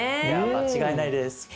いや間違いないです。